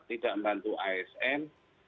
tidak membantu asm